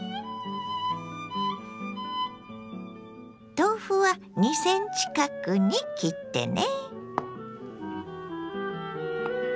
豆腐は２ｃｍ角に切ってね。